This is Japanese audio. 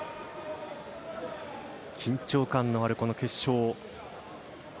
緊張感のある、この決勝。